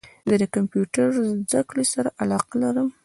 زه د کمپیوټرد زده کړي سره علاقه لرم